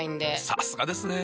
さすがですね。